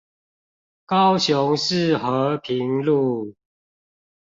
高雄市和平路